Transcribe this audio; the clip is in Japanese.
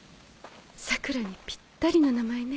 桜良にぴったりの名前ね